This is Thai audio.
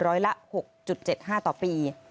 ร้อยละ๖๗๕ต่อปี